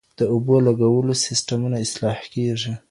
د اوبو لګولو سیستمونه اصلاح کېږي.